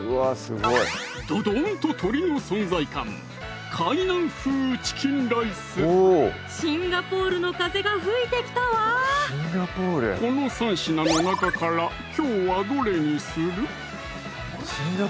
ドドンと鶏の存在感シンガポールの風が吹いてきたわこの３品の中からきょうはどれにする？